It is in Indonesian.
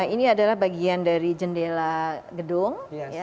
ini adalah bagian dari jendela gedung